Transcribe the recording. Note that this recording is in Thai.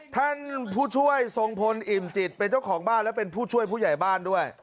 ท่านผู้ช่วยทรงพลอิ่มจิตเป็นเจ้าของบ้านและเป็นผู้ช่วยผู้ใหญ่บ้านด้วย